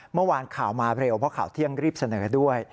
เมื่อวานข่าวมาเร็วเพราะข่าวเที่ยงรีบเสนอด้วย